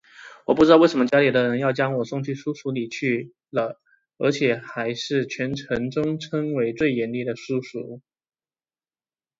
我不知道为什么家里的人要将我送进书塾里去了而且还是全城中称为最严厉的书塾